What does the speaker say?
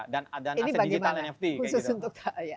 dan ada nase digital nft ini bagaimana